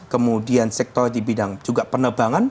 kemudian sektor di bidang juga penerbangan